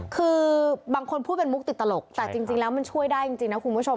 คือบางคนพูดเป็นมุกติดตลกแต่จริงแล้วมันช่วยได้จริงนะคุณผู้ชม